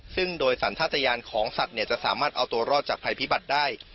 ซึ่งโดยสัญชาติยานของสัตว์จะสามารถเอาตัวรอดจากภัยพิบัติได้